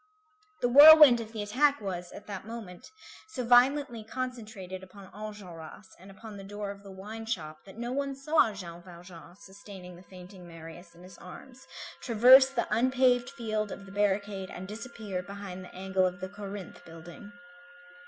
The whirlwind of the attack was, at that moment, so violently concentrated upon Enjolras and upon the door of the wine shop, that no one saw Jean Valjean sustaining the fainting Marius in his arms, traverse the unpaved field of the barricade and disappear behind the angle of the Corinthe building.